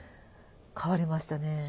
変わりましたねぇ。